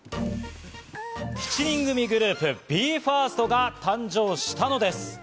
７人組グループ、ＢＥ：ＦＩＲＳＴが誕生したのです。